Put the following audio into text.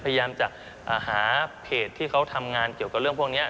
พยายามจะหาเพจที่เขาทำงานเกี่ยวกับเรื่องพวกนี้